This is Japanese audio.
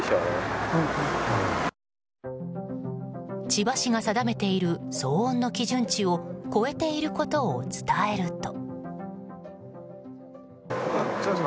千葉市が定めている騒音の基準値を超えていることを伝えると。